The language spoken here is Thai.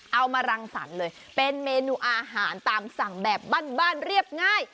เอามารังสรรค์เลยเป็นเมนูอาหารตามสั่งแบบบ้านเรียบง่าย